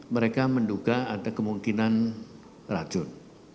mereka menduga ada kemungkinan racun